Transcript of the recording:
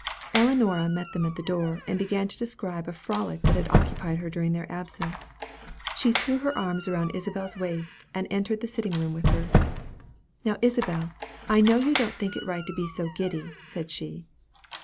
Ellinora met them at the door, and began to describe a frolic that had occupied her during their absence. She threw her arms around Isabel's waist, and entered the sitting room with her. "Now, Isabel, I know you don't think it right to be so giddy," said she.